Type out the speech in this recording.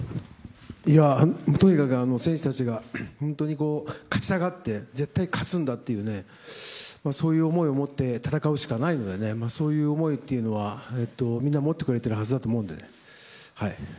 とにかく選手たちが勝ちたがって絶対に勝つんだというそういう思いを持って戦うしかないのでそういう思いというのは、みんな持ってくれているはずだと思うので。